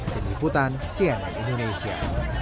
dihiputan cnn indonesia